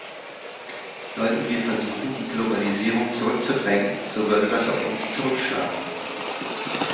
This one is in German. Sollten wir versuchen, die Globalisierung zurückzudrängen, so würde das auf uns zurückschlagen.